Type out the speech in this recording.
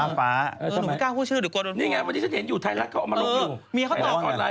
นี่ไงวันนี้ฉันเห็นอยู่ไทยลักษณ์เขาออกมาลุกอยู่